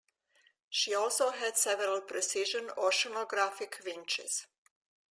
She also had several precision oceanographic winches.